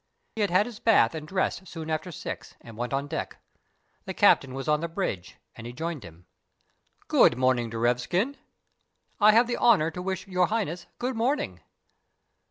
He had had his bath and dressed soon after six, and went on deck. The captain was on the bridge, and he joined him. "Good morning, Derevskin!" "I have the honour to wish Your Highness good morning!"